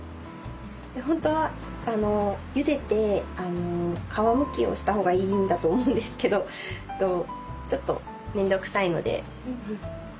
本当はゆでて皮むきをした方がいいんだと思うんですけどちょっと面倒くさいので。